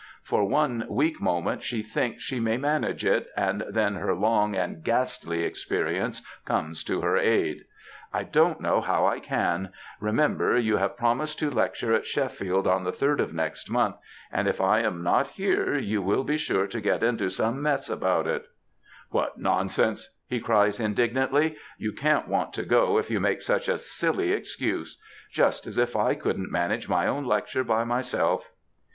For one weak moment she thinks she may manage it, and then her long and ghastly experience comes to her aid. ^^ I don^t see how I can* Remember you have promised to lecture at Sheffield on the third of next month, and if I am not here you will be sure to get into some mess about it/"* What nonsense !" he cries indignantly ;" you can'*t want to go if you make such a silly excuse ! Just as if I couldn'^t manage my own lecture by myself.